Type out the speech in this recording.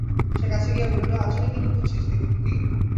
সে কাছে গিয়া বলিল, আঁচলে কি লুকুচ্চিস দেখি খুকি?